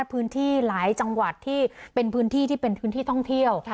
พื้นที่หลายจังหวัดที่เป็นพื้นที่ท่องเที่ยว